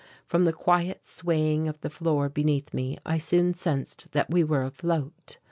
From the quiet swaying of the floor beneath me I soon sensed that we were afloat.